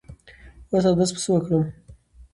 وس اودس په څۀ وکړم